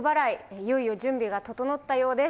いよいよ準備が整ったようです。